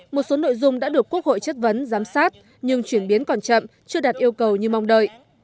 một số nội dung đã được quốc hội chất vấn giám sát nhưng chuyển biến còn chậm chưa đạt yêu cầu như mong đợi